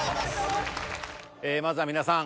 ええまずは皆さん